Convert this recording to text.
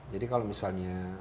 jadi kalau misalnya